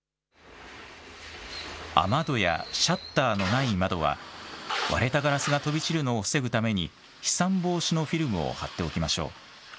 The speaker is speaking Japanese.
雨戸やシャッターのない窓は割れたガラスが飛び散るのを防ぐために飛散防止のフィルムを貼っておきましょう。